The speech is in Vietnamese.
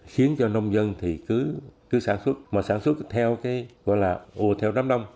khiến cho nông dân thì cứ sản xuất mà sản xuất theo cái gọi là ồ theo đám đông